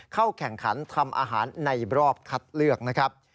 เข้าแข่งขันทำอาหารในรอบคัดเลือกนะครับ